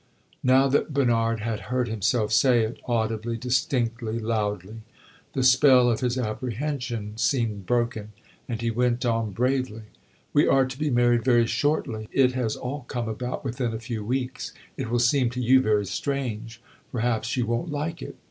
Now that Bernard had heard himself say it, audibly, distinctly, loudly, the spell of his apprehension seemed broken, and he went on bravely. "We are to be married very shortly. It has all come about within a few weeks. It will seem to you very strange perhaps you won't like it.